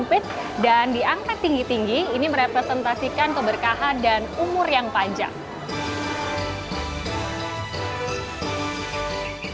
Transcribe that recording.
misua yang dipanggil kumpit dan diangkat tinggi tinggi ini merepresentasikan keberkahan dan umur yang panjang